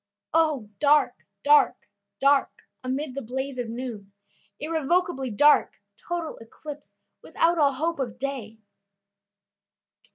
"O dark, dark, dark, amid the blaze of noon. Irrevocably dark, total eclipse, Without all hope of day!"